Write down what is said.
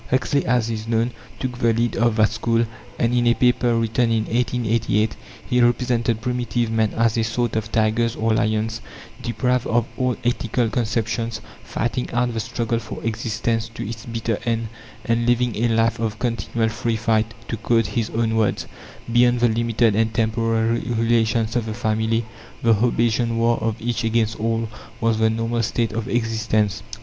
Huxley, as is known, took the lead of that school, and in a paper written in 1888 he represented primitive men as a sort of tigers or lions, deprived of all ethical conceptions, fighting out the struggle for existence to its bitter end, and living a life of "continual free fight"; to quote his own words "beyond the limited and, temporary relations of the family, the Hobbesian war of each against all was the normal state of existence."